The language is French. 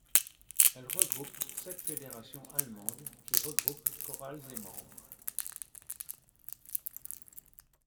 Elle regroupe sept fédérations allemandes qui regroupent chorales et membres.